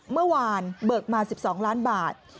เมื่อวานเบิกมา๑๒ล้านบาท